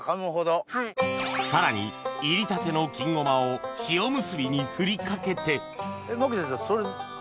さらに煎りたての金ごまを塩むすびに振りかけて牧瀬さん。